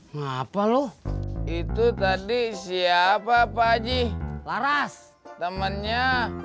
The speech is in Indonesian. ngapa lu itu tadi siapa pak ji laras temennya